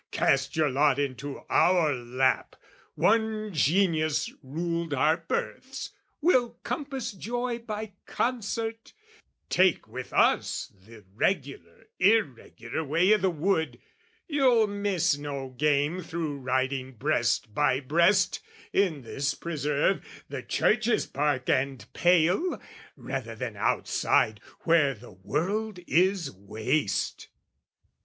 Cast your lot "Into our lap, one genius ruled our births, "We'll compass joy by concert; take with us "The regular irregular way i' the wood; "You'll miss no game through riding breast by breast, "In this preserve, the Church's park and pale, "Rather than outside where the world is waste!"